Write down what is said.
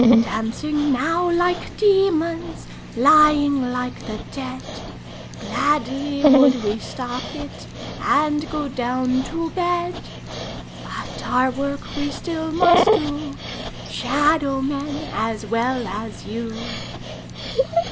'Dancing now like demons; Lying like the dead; Gladly would we stop it, And go down to bed! But our work we still must do, Shadow men, as well as you.